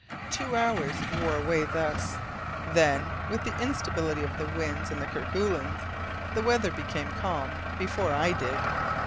Two hours wore away thus. Then, with the instability of the winds in the Kerguelens, the weather became calm before I did.